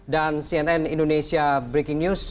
dan cnn indonesia breaking news